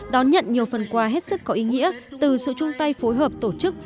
đón nhận nhiều phần quà hết sức có ý nghĩa từ sự chung tay phối hợp tổ chức